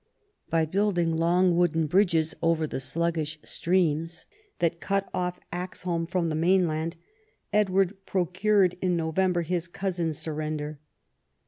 By building long wooden bridges over the sluggish streams that cut off Axholme from the mainland, Edward procured in November his cousin's surrender.